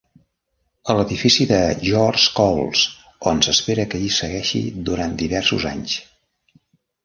A l'edifici de George Coles, on s'espera que hi segueixi durant diversos anys.